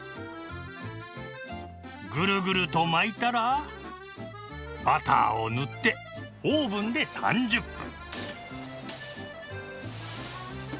ぐるぐると巻いたらバターを塗ってオーブンで３０分。